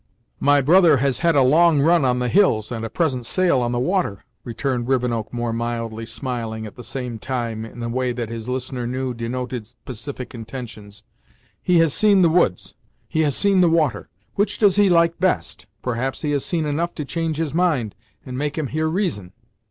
"My brother has had a long run on the hills, and a pleasant sail on the water," returned Rivenoak more mildly, smiling, at the same time, in a way that his listener knew denoted pacific intentions. "He has seen the woods; he has seen the water. Which does he like best? Perhaps he has seen enough to change his mind, and make him hear reason."